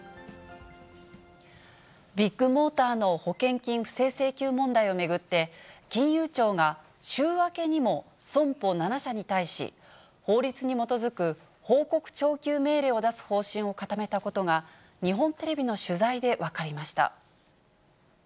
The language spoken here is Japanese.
ビッグモーターの保険金不正請求問題を巡って、金融庁が週明けにも損保７社に対し、法律に基づく報告徴求命令を出す方針を固めたことが、日本テレビの取材で分かりました。